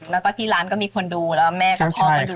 แล้วก็ที่ร้านก็มีคนดูแล้วแม่กับพ่อมาดู